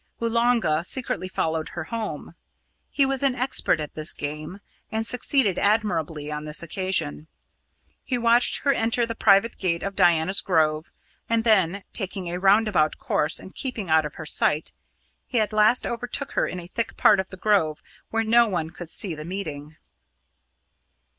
Oolanga secretly followed her home. He was an expert at this game, and succeeded admirably on this occasion. He watched her enter the private gate of Diana's Grove, and then, taking a roundabout course and keeping out of her sight, he at last overtook her in a thick part of the Grove where no one could see the meeting.